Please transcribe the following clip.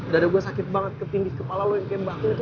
dada gue sakit banget ketinggi kepala lo yang kayak batu itu